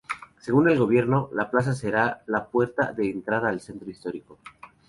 Según el gobierno, la plaza será la puerta de entrada al centro histórico.